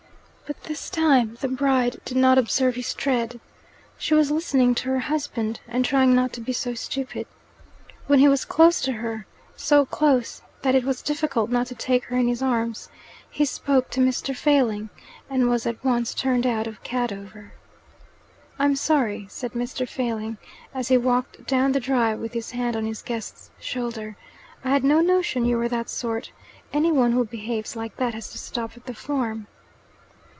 But this time the bride did not observe his tread. She was listening to her husband, and trying not to be so stupid. When he was close to her so close that it was difficult not to take her in his arms he spoke to Mr. Failing, and was at once turned out of Cadover. "I'm sorry," said Mr. Failing, as he walked down the drive with his hand on his guest's shoulder. "I had no notion you were that sort. Any one who behaves like that has to stop at the farm."